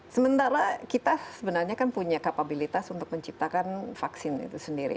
sementara kita sebenarnya kan punya kapabilitas untuk menciptakan vaksin itu sendiri